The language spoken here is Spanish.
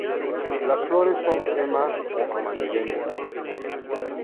Las flores son crema o amarillentas.